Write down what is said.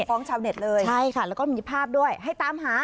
ชาวเน็ตเลยใช่ค่ะแล้วก็มีภาพด้วยให้ตามหา